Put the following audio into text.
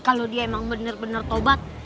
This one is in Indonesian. kalau dia emang bener bener tobat